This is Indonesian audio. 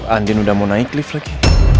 andin udah mau naik lift lagi